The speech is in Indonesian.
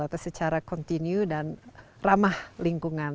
atau secara kontinu dan ramah lingkungan